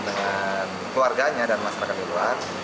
dengan keluarganya dan masyarakat di luar